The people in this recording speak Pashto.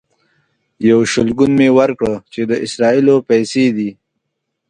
یو شلګون مې ورکړ چې د اسرائیلو پیسې دي.